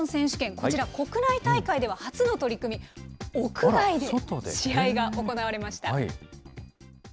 こちら、国内大会では初の取り組み、屋外で試合が行われました。